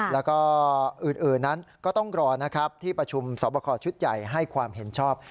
แล้วก็อื่นนั้นก็ต้องรอที่ปาร์ชุมศพชุดใหญ่ให้ความเห็นชอบ